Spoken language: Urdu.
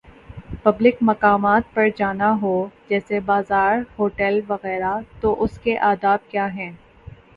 پبلک مقامات پر جانا ہو، جیسے بازار" ہوٹل وغیرہ تو اس کے آداب کیا ہیں۔